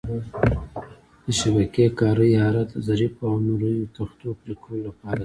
د شبکې کارۍ اره د ظریفو او نریو تختو پرېکولو لپاره ده.